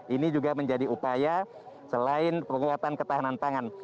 ini juga menjadi upaya selain penguatan ketahanan pangan